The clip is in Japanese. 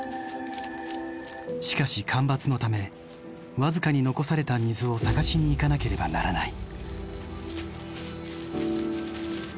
しかし干ばつのため僅かに残された水を探しに行かなければならない。